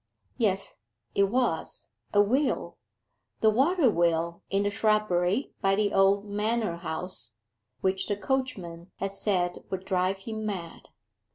Yes, it was, a wheel the water wheel in the shrubbery by the old manor house, which the coachman had said would drive him mad.